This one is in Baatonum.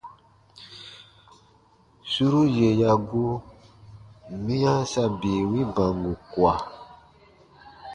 Suru yè ya gu, miya sa bii wi bango kua.